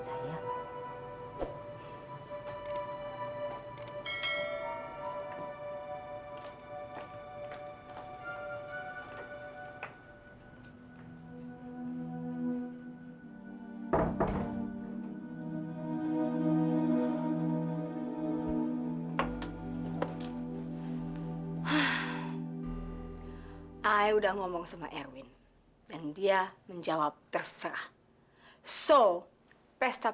hai ayah udah ngomong sama erwin dan dia menjawab terserah so pesta